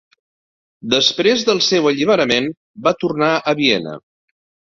Després del seu alliberament va tornar a Viena.